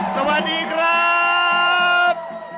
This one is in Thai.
สวัสดีครับ